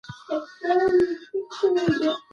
که تاسي ما ته معلومات راکړئ زه به منندوی یم.